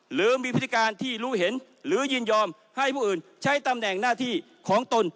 หรือมีพฤติการที่รู้เห็นหรือยินยอมให้ผู้อื่นใช้ตำแหน่งหน้าที่ของตน